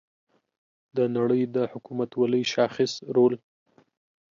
د نړۍ د حکومتولۍ شاخص رول